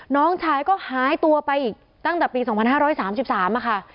น้องชายก็หายตัวไปอีกตั้งแต่ปี๒๕๓๓ค่ะ